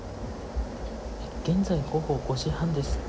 現在、午後５時半です。